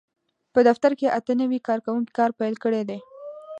په دفتر کې اته نوي کارکوونکي کار پېل کړی دی.